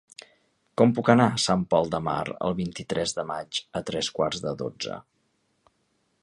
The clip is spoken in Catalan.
Com puc anar a Sant Pol de Mar el vint-i-tres de maig a tres quarts de dotze?